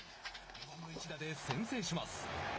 ４番の一打で先制します。